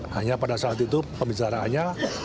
hanya pada saat itu pembicaraannya